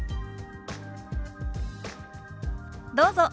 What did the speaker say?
どうぞ。